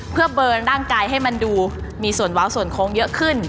เพื่อเบิร์นร่างกายให้มันดูมีส่วนเว้าส่วนโค้งเยอะขึ้น